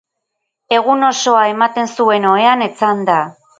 Egun osoa ematen zuen ohean etzanda.